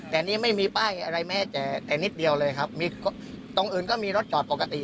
แต่นี่ไม่มีป้ายอะไรแม้แต่แต่นิดเดียวเลยครับมีตรงอื่นก็มีรถจอดปกติ